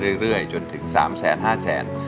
ก็ไปได้เรื่อยจนถึง๓แสน๕แสน